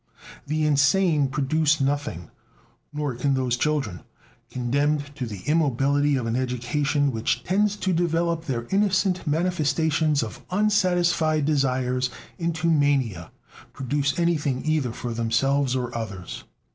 The insane produce nothing, nor can those children, condemned to the immobility of an education which tends to develop their innocent manifestations of unsatisfied desires into mania, produce anything either for themselves or others.